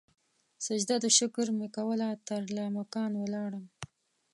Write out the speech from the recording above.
سجده د شکر مې کول ترلا مکان ولاړمه